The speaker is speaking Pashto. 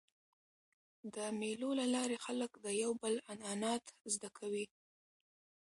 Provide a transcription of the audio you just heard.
د مېلو له لاري خلک د یو بل عنعنات زده کوي.